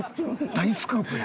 大スクープや！